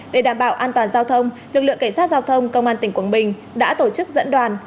để đảm bảo an toàn giao thông lực lượng cảnh sát giao thông công an tỉnh quảng bình đã tổ chức dẫn đoàn